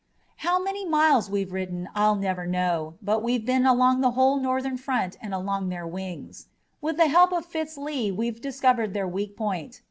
"How many miles we've ridden I'll never know, but we've been along the whole Northern front and around their wings. With the help of Fitz Lee we've discovered their weak point.